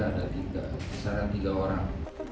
ada tiga kisaran tiga orang